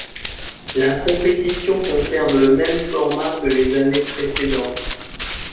La compétition conserve le même format que les années précédentes.